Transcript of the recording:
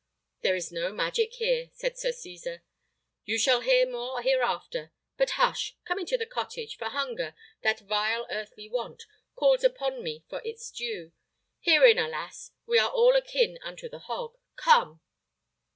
"There is no magic here," said Sir Cesar: "you shall hear more hereafter. But, hush! come into the cottage, for hunger, that vile earthly want, calls upon me for its due: herein, alas! we are all akin unto the hog: come!"